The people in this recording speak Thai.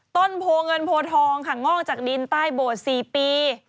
ต้นโพเงินโพทองค่ะงอกจากดินใต้โบสถ์๔ปี